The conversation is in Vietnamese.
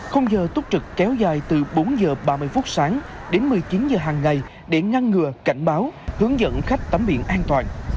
không giờ túc trực kéo dài từ bốn h ba mươi phút sáng đến một mươi chín h hàng ngày để ngăn ngừa cảnh báo hướng dẫn khách tắm biển an toàn